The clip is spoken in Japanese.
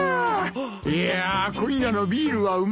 いやあ今夜のビールはうまいなあ。